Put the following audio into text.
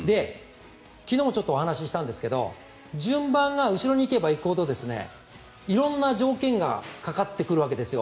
昨日もちょっとお話したんですが順番が後ろに行けば行くほど色んな条件がかかってくるわけですよ。